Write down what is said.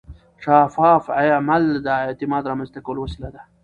شفاف عمل د اعتماد رامنځته کولو وسیله ده.